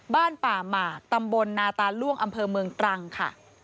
บ้านป่าหมากตำบลนาตาล่วงอำเภอเมืองตรังค่ะ